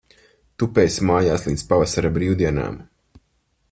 Tupēsi mājās līdz pavasara brīvdienām.